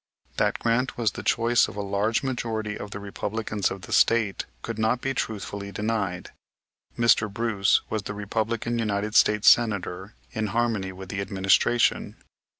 That Grant was the choice of a large majority of the Republicans of the State could not be truthfully denied. Mr. Bruce was the Republican United States Senator in harmony with the administration.